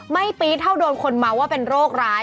ปี๊ดเท่าโดนคนเมาว่าเป็นโรคร้าย